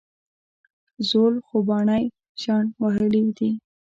زول خوبانۍ شڼ وهلي دي